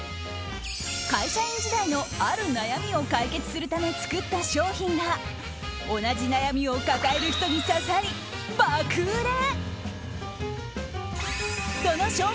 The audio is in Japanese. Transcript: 会社員時代の、ある悩みを解決するため作った商品が同じ悩みを抱える人に刺さり爆売れ！